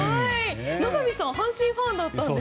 野上さんは阪神ファンだったんですね。